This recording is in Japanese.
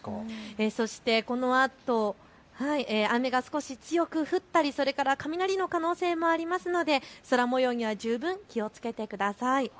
そして、このあと雨が少し強く降ったり雷の可能性もありますので空もようには十分気をつけてください。